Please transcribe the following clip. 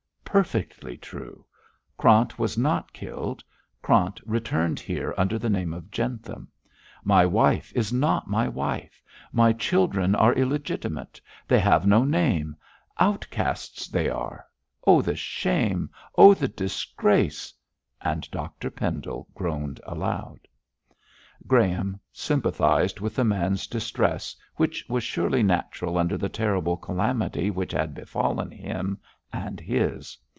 'Perfectly true. Krant was not killed. Krant returned here under the name of Jentham. My wife is not my wife! My children are illegitimate; they have no name; outcasts they are. Oh, the shame! Oh, the disgrace!' and Dr Pendle groaned aloud. Graham sympathised with the man's distress, which was surely natural under the terrible calamity which had befallen him and his.